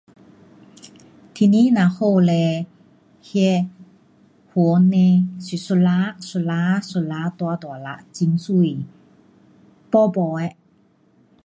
天气若好嘞，那云呢是一粒，一粒，一粒大大粒，很美，饱饱的。